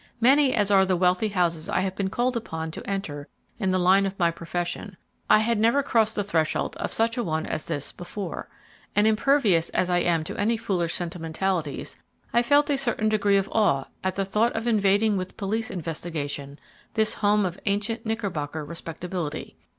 Many as are the wealthy houses I have been called upon to enter in the line of my profession, I had never crossed the threshold of such an one as this before, and impervious as I am to any foolish sentimentalities, I felt a certain degree of awe at the thought of invading with police investigation, this home of ancient Knicker bocker respectability.